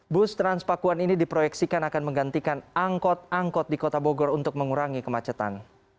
bus transpakuan ini diproyeksikan akan menggantikan angkot angkot di kota bogor untuk mengurangi kemacetan